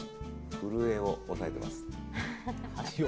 震えを抑えてます。